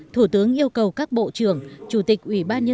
thủ tướng yêu cầu các bộ trưởng chủ tịch